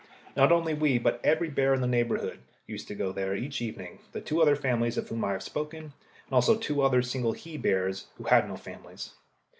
Not only we, but every bear in the neighbourhood, used to go there each evening the two other families of whom I have spoken, and also two other single he bears who had no families.